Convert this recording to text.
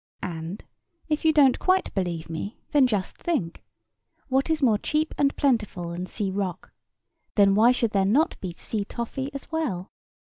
And, if you don't quite believe me, then just think—What is more cheap and plentiful than sea rock? Then why should there not be sea toffee as well?